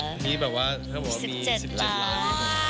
นี่แบบว่าถ้าพบว่ามี๑๗ล้าน